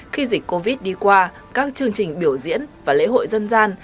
khi dịch covid đi qua các chương trình biểu diễn và lễ hội dân gian